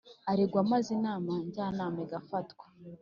aregwa maze Inama Njyanama igafata